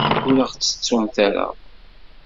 Ur aɣ-ttettumt ara.